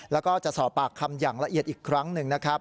แล้วก็จะสอบปากคำอย่างละเอียดอีกครั้งหนึ่งนะครับ